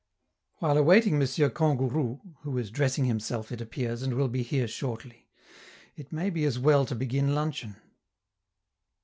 While awaiting M. Kangourou (who is dressing himself, it appears, and will be here shortly), it may be as well to begin luncheon.